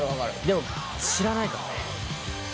でも知らないからね。